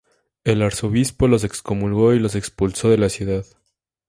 El arzobispo los excomulgó y los expulsó de la ciudad.